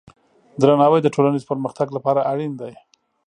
درناوی د ټولنیز پرمختګ لپاره اړین دی.